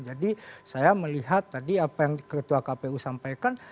jadi saya melihat tadi apa yang ketua kpu sampaikan